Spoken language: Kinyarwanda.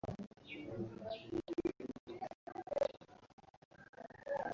wanywa byeri